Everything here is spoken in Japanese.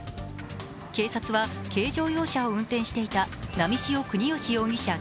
警察は軽乗用車を運転していた波汐國芳容疑者